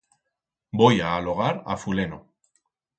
Voi a alogar a fuleno.